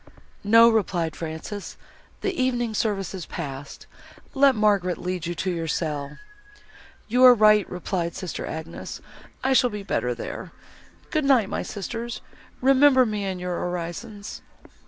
"No," replied Frances, "the evening service is passed. Let Margaret lead you to your cell." "You are right," replied sister Agnes, "I shall be better there. Good night, my sisters, remember me in your orisons."